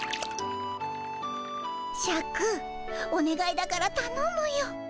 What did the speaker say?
シャクおねがいだからたのむよこのとおりさ。